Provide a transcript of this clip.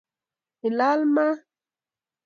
ilal maat